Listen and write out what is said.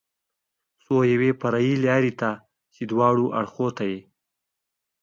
څو یوې فرعي لارې ته چې دواړو اړخو ته یې.